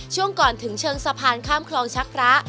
ช่วงก่อนถึงเชิงสะพานข้ามคลองชักพระ